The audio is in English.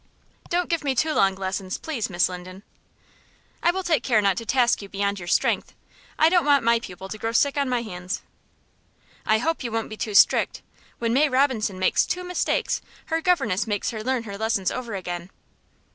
"Don't give me too long lessons, please, Miss Linden." "I will take care not to task you beyond your strength. I don't want my pupil to grow sick on my hands." "I hope you won't be too strict. When May Robinson makes two mistakes her governess makes her learn her lessons over again."